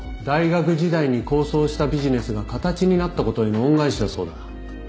大学時代に構想したビジネスが形になったことへの恩返しだそうだ。